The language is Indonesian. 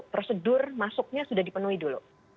prosedur masuknya sudah dipenuhi dulu